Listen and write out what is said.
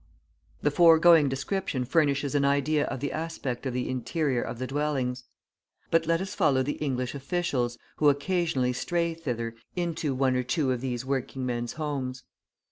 The foregoing description furnishes an idea of the aspect of the interior of the dwellings. But let us follow the English officials, who occasionally stray thither, into one or two of these working men's homes.